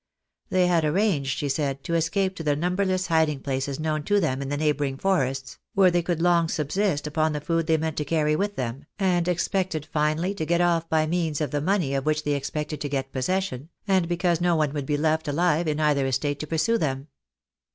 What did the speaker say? They had arranged, she said, to escape to the numberless hiding places known to them in the neighbouring forests, where they could long subsist upon the food they meant to carry with them, and expected finally to get off by means of the money of which they expected to get possession, and because no one would be left alive in either estate to pursue them.